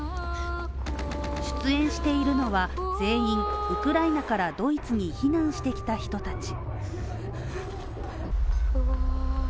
出演しているのは全員ウクライナからドイツに避難してきた人たち。